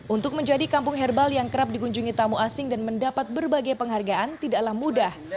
untuk menjadi kampung herbal yang kerap dikunjungi tamu asing dan mendapat berbagai penghargaan tidaklah mudah